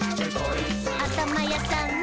「あたまやさんの！」